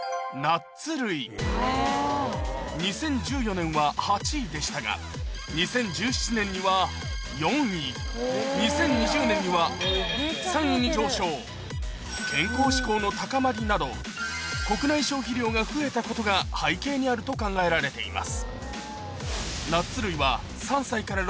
２０１４年は８位でしたが２０１７年には４位２０２０年には３位に上昇健康志向の高まりなど国内消費量が増えたことが背景にあると考えられています